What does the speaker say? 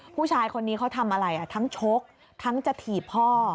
ผู้ชายคนนี้เขาทำอะไรทั้งชกทั้งจะถีบพ่อ